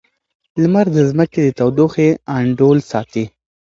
لمر د ځمکې د تودوخې انډول ساتي.